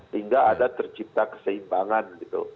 hingga ada tercipta keseimbangan